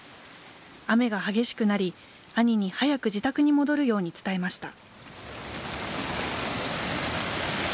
雨が激しくなり、兄に早く自宅に戻るように伝えました。